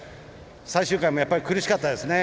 最終回もやっぱり苦しかったですね。